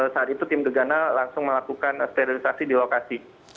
saat itu tim gegana langsung melakukan sterilisasi di lokasi